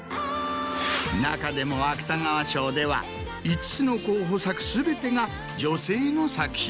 中でも芥川賞では５つの候補作全てが女性の作品。